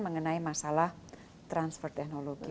mengenai masalah transfer teknologi